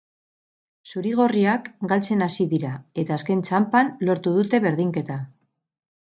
Zuri-gorriak galtzen hasi dira, eta azken txanpan lortu dute berdinketa.